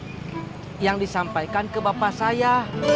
saya yang disampaikan ke bapak saya